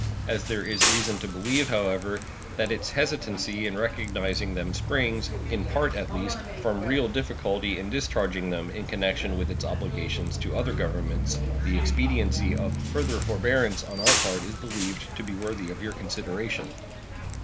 As there is reason to believe, however, that its hesitancy in recognizing them springs, in part at least, from real difficulty in discharging them in connection with its obligations to other governments, the expediency of further forbearance on our part is believed to be worthy of your consideration.